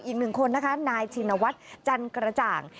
อีกหนึ่งคนนะคะนายชินวัฒน์จันกระจ่าง